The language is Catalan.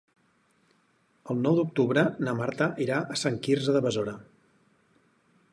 El nou d'octubre na Marta irà a Sant Quirze de Besora.